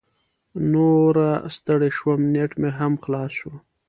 نوره ستړې شوم، نیټ مې هم خلاص شو.